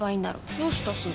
どうしたすず？